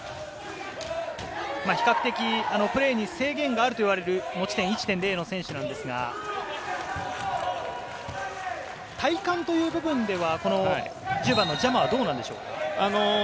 比較的、プレーに制限があるといわれる持ち点１．０の選手ですが、体幹という部分では、１０番のジャマはどうでしょうか？